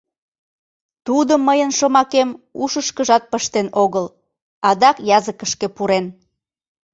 Тудо мыйын шомакем ушышкыжат пыштен огыл: адак языкышке пурен.